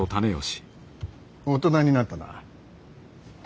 大人になったな。